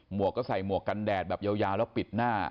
วกก็ใส่หมวกกันแดดแบบยาวแล้วปิดหน้า